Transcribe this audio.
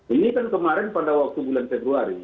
ini kan kemarin pada waktu bulan februari